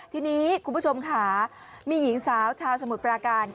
ทีนี้คุณผู้ชมค่ะมีหญิงสาวชาวสมุทรปราการ